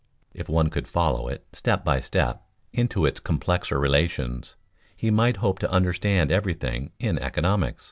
If one could follow it step by step into its complexer relations, he might hope to understand everything in economics.